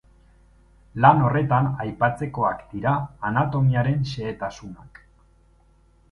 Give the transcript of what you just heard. Lan horretan aipatzekoak dira anatomiaren xehetasunak.